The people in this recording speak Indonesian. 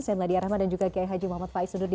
saya meladya rahmat dan juga kiai haji muhammad faiz